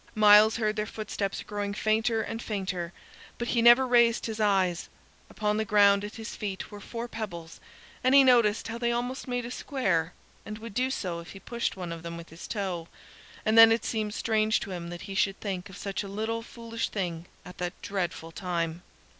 Myles heard their footsteps growing fainter and fainter, but he never raised his eyes. Upon the ground at his feet were four pebbles, and he noticed how they almost made a square, and would do so if he pushed one of them with his toe, and then it seemed strange to him that he should think of such a little foolish thing at that dreadful time.